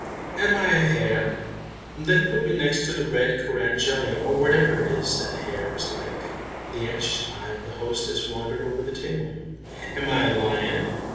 "Am I a hare? Then put me next to the red currant jelly, or whatever it is that hares like." The anxious eye of the hostess wandered over the table. "Am I a lion?"